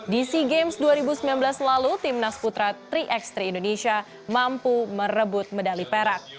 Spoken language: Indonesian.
di sea games dua ribu sembilan belas lalu timnas putra tiga x tiga indonesia mampu merebut medali perak